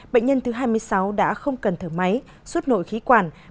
bệnh nhân thứ hai mươi sáu đã không cần thở máy suốt nội khí quản